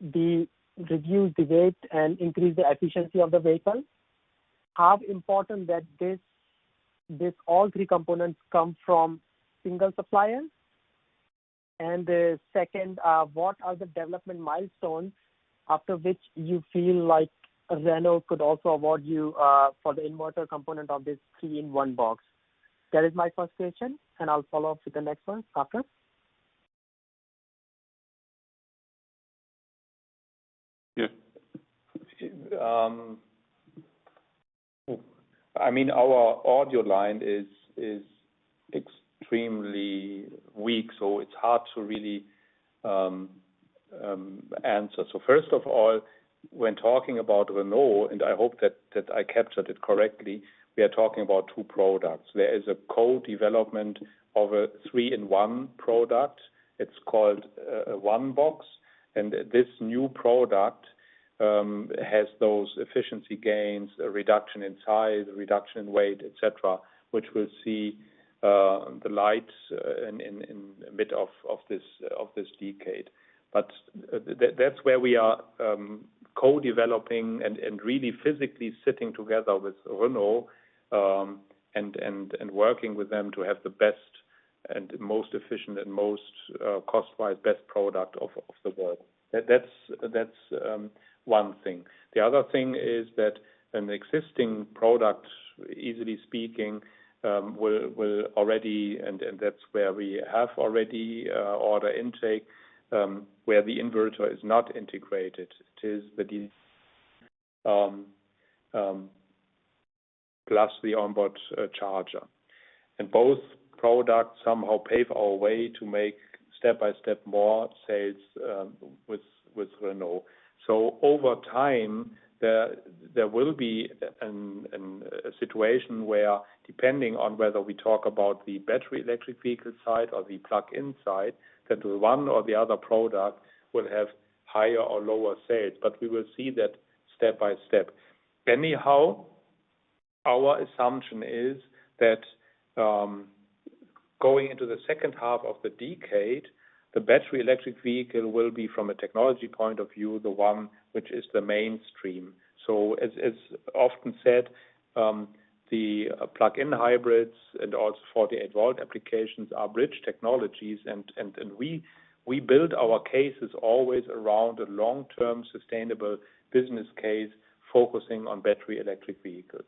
reduce the weight and increase the efficiency of the vehicle, how important that this all three components come from single supplier? Second, what are the development milestones after which you feel like Renault could also award you for the inverter component of this three-in-one box? That is my first question, and I'll follow up with the next one after. Yeah. I mean, our audio line is extremely weak, so it's hard to really answer. First of all, when talking about Renault, I hope that I captured it correctly, we are talking about two products. There is a co-development of a three-in-one product. It's called a One Box. This new product has those efficiency gains, a reduction in size, a reduction in weight, et cetera, which we'll see the likes of in a bit of this decade. That's where we are co-developing and really physically sitting together with Renault and working with them to have the best and most efficient and most cost-wise best product in the world. That's one thing. The other thing is that an existing product, easily speaking, will already. That's where we have already order intake where the inverter is not integrated. It is the DC-DC plus the onboard charger. Both products somehow pave our way to make step-by-step more sales with Renault. Over time, there will be a situation where, depending on whether we talk about the battery electric vehicle side or the plug-in side, that one or the other product will have higher or lower sales, but we will see that step by step. Anyhow, our assumption is that going into the second half of the decade, the battery electric vehicle will be, from a technology point of view, the one which is the mainstream. As often said, the plug-in hybrids and also 48 V applications are bridge technologies and we build our cases always around a long-term sustainable business case, focusing on battery electric vehicles.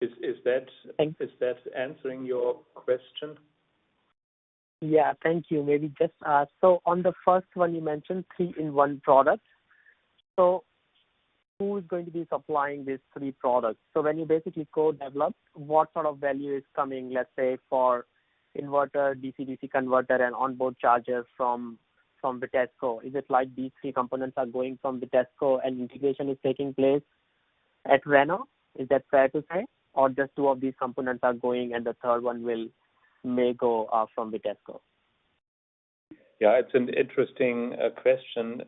Thank- Is that answering your question? Yeah. Thank you. Maybe just on the first one you mentioned three-in-one product. Who is going to be supplying these three products? When you basically co-develop, what sort of value is coming, let's say, for inverter, DC/DC converter and onboard chargers from Vitesco? Is it like these three components are going from Vitesco and integration is taking place at Renault? Is that fair to say? Or just two of these components are going and the third one may go from Vitesco? Yeah, it's an interesting question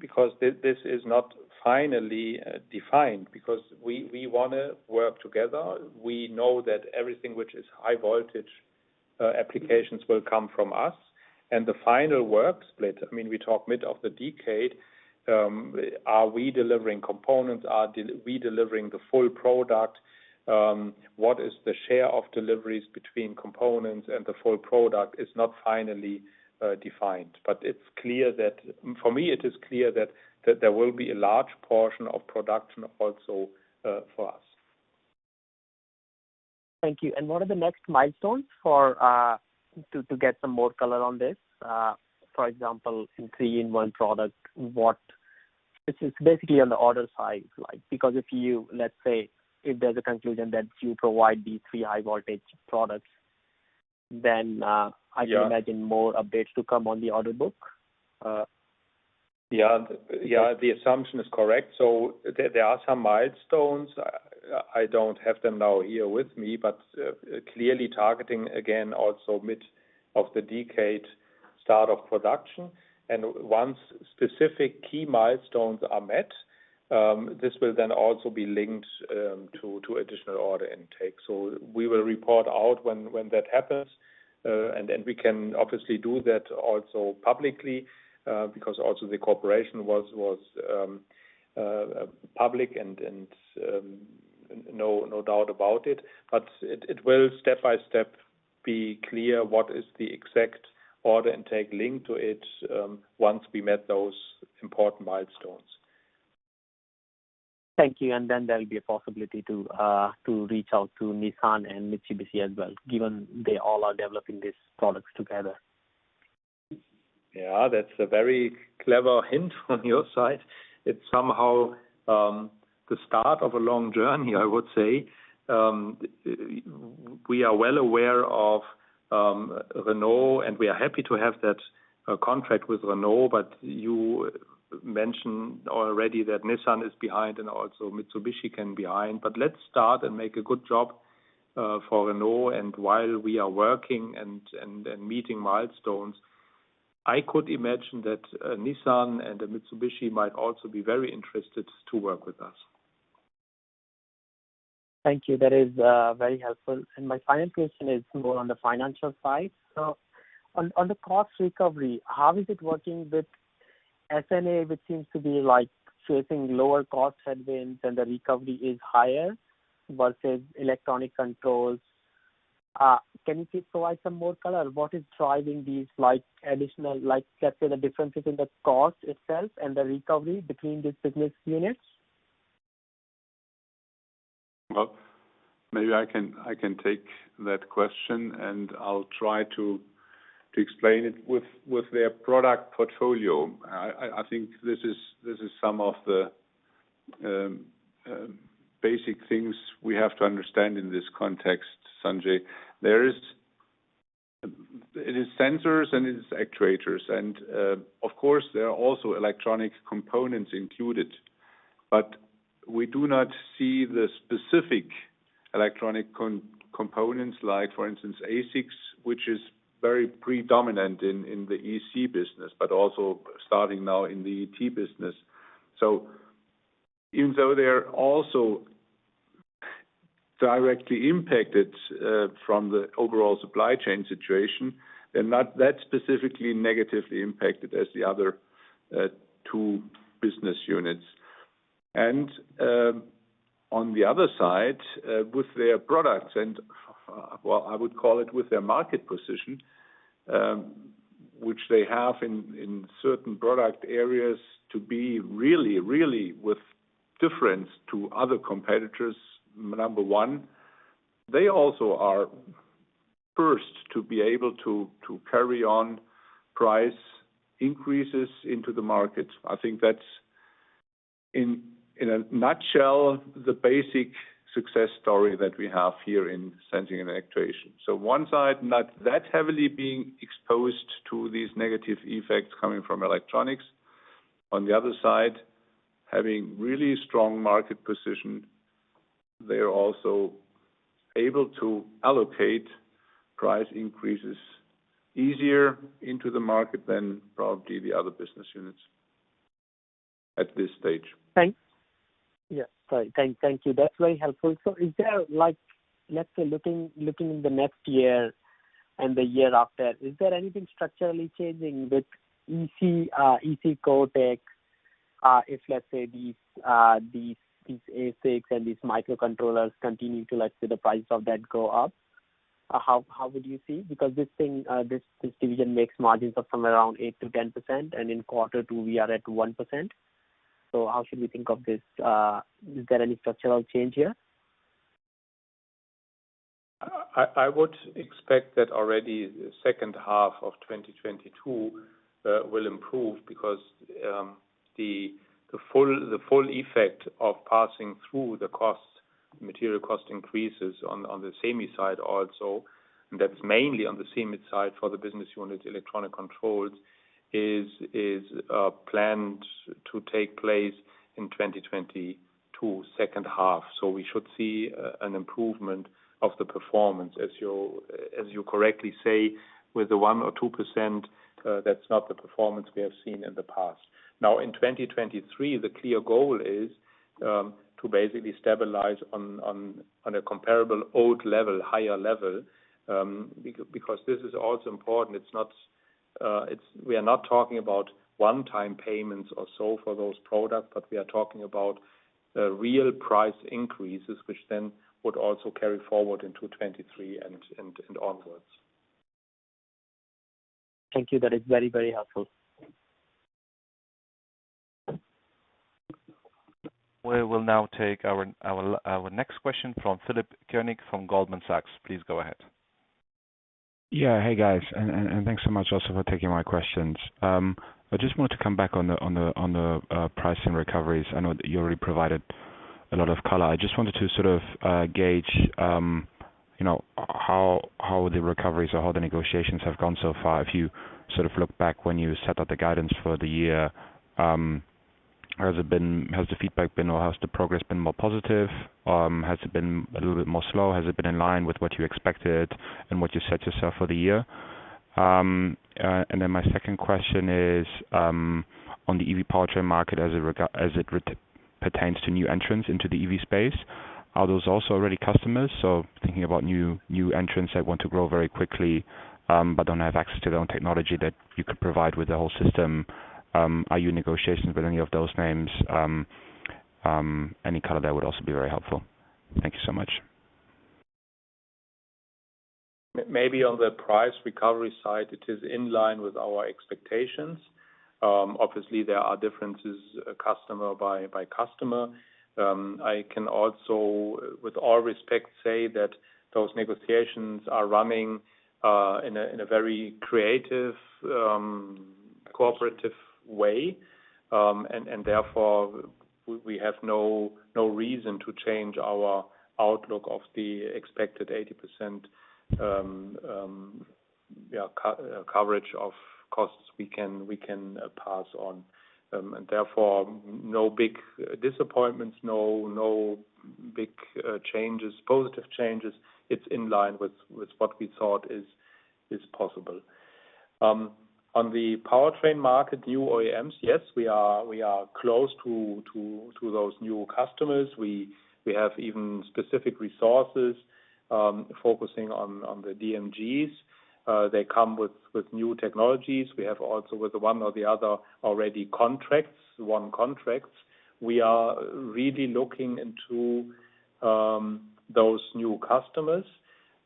because this is not finally defined because we wanna work together. We know that everything which is high voltage applications will come from us. The final work split, I mean, we talk mid of the decade, are we delivering components, are we delivering the full product, what is the share of deliveries between components and the full product is not finally defined. It's clear that for me, it is clear that there will be a large portion of production also for us. Thank you. What are the next milestones to get some more color on this? For example, in three-in-one product, this is basically on the order side, like, because if you, let's say, if there's a conclusion that you provide these three high voltage products, then Yeah. I can imagine more updates to come on the order book. Yeah. Yeah. The assumption is correct. There are some milestones. I don't have them now here with me, but clearly targeting again, also mid of the decade start of production. Once specific key milestones are met, this will then also be linked to additional order intake. We will report out when that happens. We can obviously do that also publicly, because also the corporation was public and no doubt about it. It will step by step be clear what is the exact order intake linked to it, once we met those important milestones. Thank you. There'll be a possibility to reach out to Nissan and Mitsubishi as well, given they all are developing these products together. Yeah, that's a very clever hint from your side. It's somehow the start of a long journey, I would say. We are well aware of Renault, and we are happy to have that contract with Renault, but you mentioned already that Nissan is behind and also Mitsubishi can be behind. Let's start and make a good job for Renault. While we are working and meeting milestones, I could imagine that Nissan and Mitsubishi might also be very interested to work with us. Thank you. That is very helpful. My final question is more on the financial side. On the cost recovery, how is it working with SG&A, which seems to be like facing lower cost headwinds and the recovery is higher versus Electronic Controls? Can you please provide some more color? What is driving these like additional, like, let's say the differences in the cost itself and the recovery between these business units? Well, maybe I can take that question, and I'll try to explain it. With their product portfolio, I think this is some of the basic things we have to understand in this context, Sanjay. It is sensors and it is actuators, and, of course, there are also electronic components included. We do not see the specific electronic components, like for instance, ASICs, which is very predominant in the EC business, but also starting now in the ET business. Even though they are also directly impacted from the overall supply chain situation, they're not that specifically negatively impacted as the other two business units. On the other side, with their products and, well, I would call it with their market position, which they have in certain product areas to be really with difference to other competitors, number one. They also are first to be able to carry on price increases into the market. I think that's in a nutshell the basic success story that we have here in Sensing & Actuation. One side not that heavily being exposed to these negative effects coming from electronics. On the other side, having really strong market position, they are also able to allocate price increases easier into the market than probably the other business units at this stage. Thanks. Yeah. Thank you. That's very helpful. Is there like, let's say, looking in the next year and the year after, anything structurally changing with EC core tech, if, let's say, these ASICs and these microcontrollers continue to, let's say, the price of that go up? How would you see? Because this thing, this division makes margins of somewhere around 8%-10%, and in quarter two we are at 1%. How should we think of this? Is there any structural change here? I would expect that already the second half of 2022 will improve because the full effect of passing through the cost, material cost increases on the semis side also, that's mainly on the semis side for the business unit Electronic Controls, is planned to take place in 2022, second half. We should see an improvement of the performance. As you correctly say, with the 1% or 2%, that's not the performance we have seen in the past. Now, in 2023, the clear goal is to basically stabilize on a comparable old level, higher level, because this is also important. We are not talking about one-time payments or so for those products, but we are talking about real price increases, which then would also carry forward into 2023 and onwards. Thank you. That is very helpful. We will now take our next question from Philipp Koenig from Goldman Sachs. Please go ahead. Yeah. Hey, guys. Thanks so much also for taking my questions. I just wanted to come back on the pricing recoveries. I know that you already provided a lot of color. I just wanted to sort of gauge you know how the recoveries or how the negotiations have gone so far. If you sort of look back when you set up the guidance for the year, how has the feedback been or how has the progress been more positive? Has it been a little bit more slow? Has it been in line with what you expected and what you set yourself for the year? My second question is on the EV powertrain market as it pertains to new entrants into the EV space, are those also already customers? Thinking about new entrants that want to grow very quickly, but don't have access to their own technology that you could provide with the whole system, are you in negotiations with any of those names? Any color there would also be very helpful. Thank you so much. Maybe on the price recovery side, it is in line with our expectations. Obviously there are differences customer by customer. I can also, with all respect, say that those negotiations are running in a very creative cooperative way. Therefore, we have no reason to change our outlook of the expected 80% coverage of costs we can pass on. Therefore, no big disappointments, no big changes, positive changes. It's in line with what we thought is possible. On the powertrain market, new OEMs, yes, we are close to those new customers. We have even specific resources focusing on the OEMs. They come with new technologies. We have also with one or the other already won contracts. We are really looking into those new customers.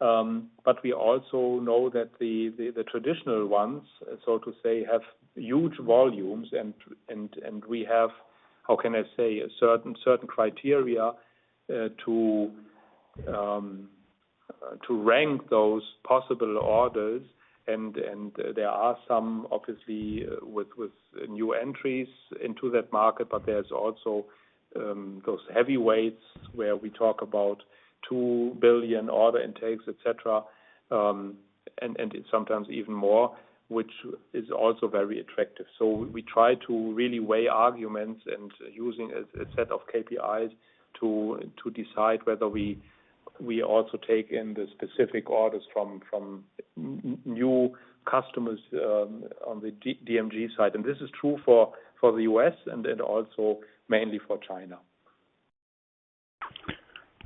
We also know that the traditional ones, so to say, have huge volumes and we have, how can I say, a certain criteria to rank those possible orders. There are some obviously with new entries into that market, but there's also those heavyweights where we talk about 2 billion order intakes, et cetera, and sometimes even more, which is also very attractive. We try to really weigh arguments and using a set of KPIs to decide whether we also take in the specific orders from new customers on the DMG side. This is true for the U.S. and then also mainly for China.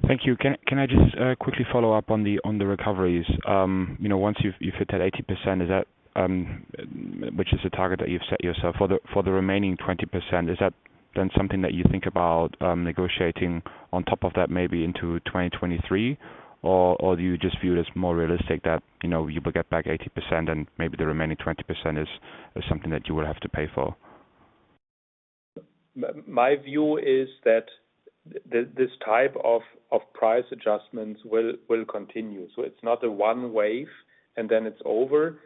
Thank you. Can I just quickly follow up on the recoveries? You know, once you've hit that 80%, which is a target that you've set yourself. For the remaining 20%, is that then something that you think about negotiating on top of that maybe into 2023? Or do you just view it as more realistic that, you know, you will get back 80% and maybe the remaining 20% is something that you will have to pay for? My view is that this type of price adjustments will continue. It's not a one wave and then it's over,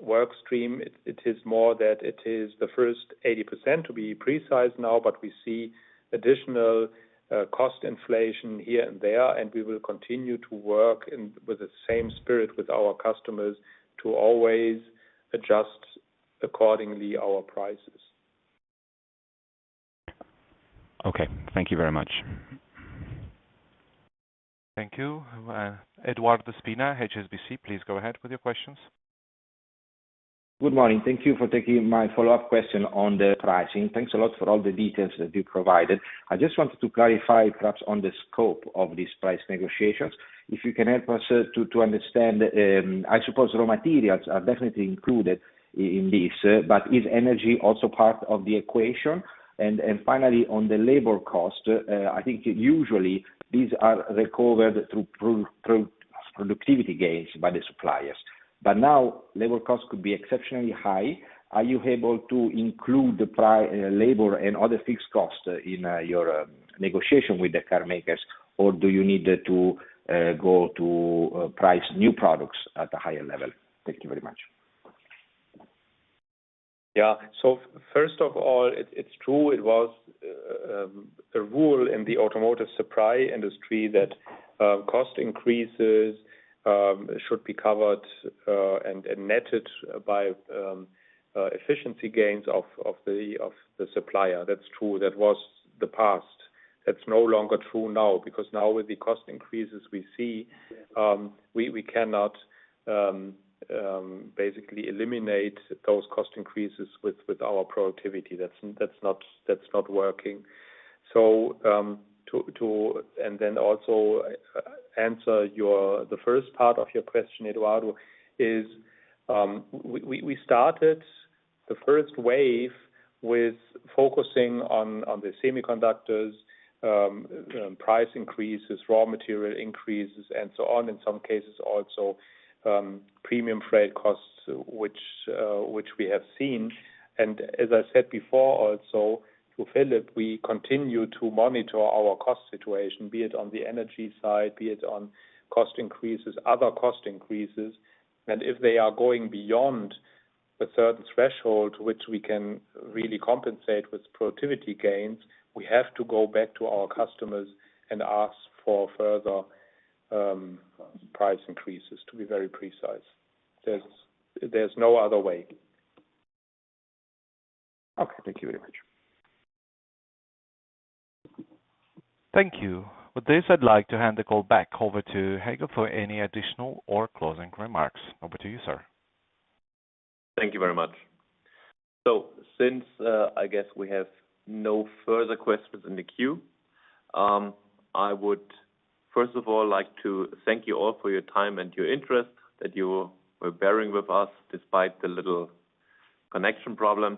work stream. It is more that it is the first 80% to be precise now, but we see additional cost inflation here and there, and we will continue to work with the same spirit with our customers to always adjust accordingly our prices. Okay. Thank you very much. Thank you. Eduardo Spina, HSBC, please go ahead with your questions. Good morning. Thank you for taking my follow-up question on the pricing. Thanks a lot for all the details that you provided. I just wanted to clarify perhaps on the scope of these price negotiations. If you can help us to understand, I suppose raw materials are definitely included in this, but is energy also part of the equation? Finally, on the labor cost, I think usually these are recovered through productivity gains by the suppliers. Now labor costs could be exceptionally high. Are you able to include the labor and other fixed costs in your negotiation with the car makers? Or do you need to go to price new products at a higher level? Thank you very much. First of all, it's true. It was a rule in the automotive supply industry that cost increases should be covered and netted by efficiency gains of the supplier. That's true. That was the past. That's no longer true now, because now with the cost increases we see, we cannot basically eliminate those cost increases with our productivity. That's not working. Then also answer the first part of your question, Eduardo, is we started the first wave with focusing on the semiconductors price increases, raw material increases, and so on. In some cases also premium freight costs, which we have seen. As I said before also to Philip, we continue to monitor our cost situation, be it on the energy side, be it on cost increases, other cost increases. If they are going beyond a certain threshold, which we can really compensate with productivity gains, we have to go back to our customers and ask for further, price increases, to be very precise. There's no other way. Okay. Thank you very much. Thank you. With this, I'd like to hand the call back over to Heiko for any additional or closing remarks. Over to you, sir. Thank you very much. Since I guess we have no further questions in the queue, I would first of all like to thank you all for your time and your interest that you were bearing with us despite the little connection problem.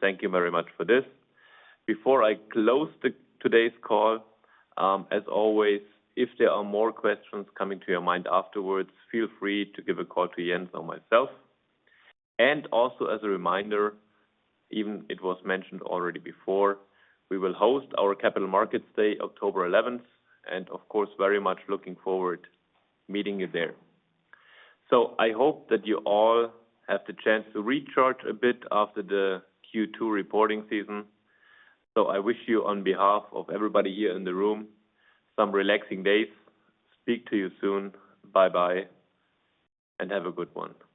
Thank you very much for this. Before I close today's call, as always, if there are more questions coming to your mind afterwards, feel free to give a call to Jens or myself. Also as a reminder, even it was mentioned already before, we will host our Capital Markets Day, October eleventh, and of course, very much looking forward meeting you there. I hope that you all have the chance to recharge a bit after the Q2 reporting season. I wish you on behalf of everybody here in the room, some relaxing days. Speak to you soon. Bye-bye, and have a good one.